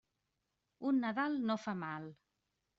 Un Nadal no fa mal.